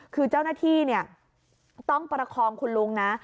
คือเจ้าหน้าที่ต้องประคองคุณลุงนะ